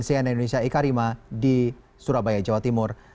koresponensian indonesia ika rima di surabaya jawa timur